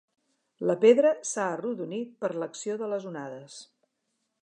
La pedra s'ha arrodonit per l'acció de les onades.